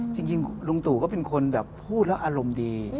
จริงลุงตู่ก็เป็นคนแบบพูดแล้วอารมณ์ดี